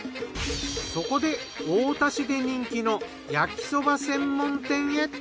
そこで太田市で人気の焼きそば専門店へ。